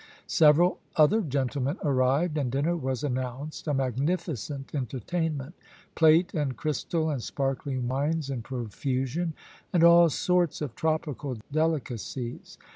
Several other gentlemen arrived, and dinner was announced a magnificent entertainment plate and crystal and sparkling wines in profusion, and all sorts of tropical delicacies.